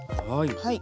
はい。